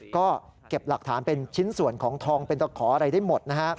ก็เก็บหลักฐานเป็นชิ้นส่วนของทองเป็นตะขออะไรได้หมดนะฮะ